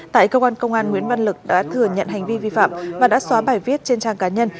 tại cơ quan công an nguyễn văn lực đã thừa nhận hành vi vi phạm và đã xóa bài viết trên trang cá nhân